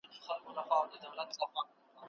ایا دا درمل د ماشومانو لپاره خوندي دي؟